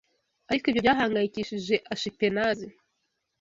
Ariko ibyo byahangayikishije Ashipenazi